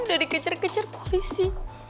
udah dikejar kejar polisi